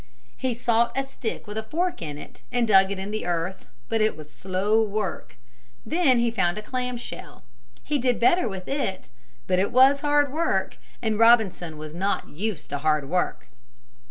He sought a stick with a fork in it and dug in the earth, but it was slow work. Then he found a clam shell. He did better with it, but it was hard work, and Robinson was not used to hard work.